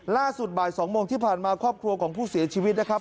ล่าสุดบ่าย๒โมงที่ผ่านมาครอบครัวของผู้เสียชีวิตนะครับ